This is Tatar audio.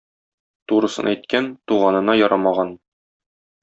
Турысын әйткән - туганына ярамаган.